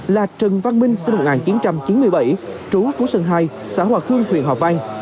là trần văn minh sinh năm một nghìn chín trăm chín mươi bảy trú phú sơn hai xã hòa khương huyện hòa vang